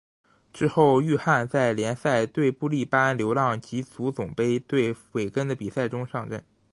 之后域汉在联赛对布力般流浪及足总杯对韦根的比赛中上阵。